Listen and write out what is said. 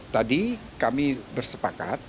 tadi kami bersepakat